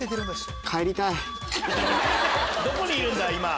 どににいるんだ今。